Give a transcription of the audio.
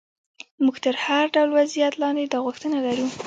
موږ تر هر ډول وضعیت لاندې دا غوښتنه لرو.